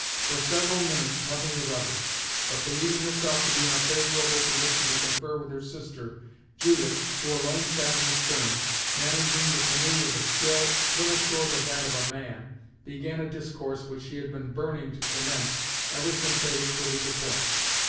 For several minutes nothing was uttered; but, believing herself to be in a favourable position to confer with her sister, Judith, who alone sat in the stern, managing the canoe with a skill little short of that of a man, began a discourse which she had been burning to commence ever since they had quitted the point.